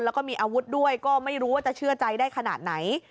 แล้วก็มีอาวุธด้วยก็ไม่รู้ว่าจะเชื่อใจได้ขนาดไหน